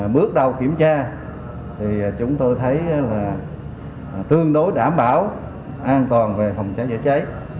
bước đầu kiểm tra thì chúng tôi thấy là tương đối đảm bảo an toàn về phòng cháy chữa cháy